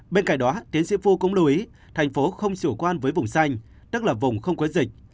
bên cạnh đó tiến sĩ phu cũng lưu ý thành phố không sửa quan với vùng xanh tức là vùng không có dịch